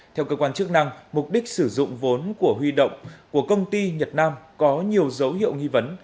theo cơ quan chức năng mục đích sử dụng vốn của huy động của công ty nhật nam có nhiều dấu hiệu nghi vấn